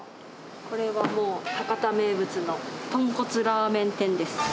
これはもう、博多名物のとんこつラーメン天です。